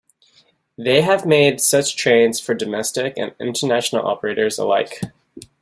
They have made such trains for domestic and international operators alike.